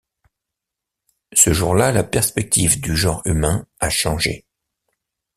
Ce jour-là, la perspective du genre humain a changé.